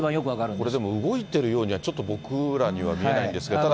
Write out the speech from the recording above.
これでも、動いているようには、僕らには見えないんですが、ただ。